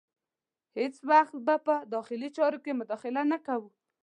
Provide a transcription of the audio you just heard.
هیڅ وخت به په داخلي چارو کې مداخله نه کوو.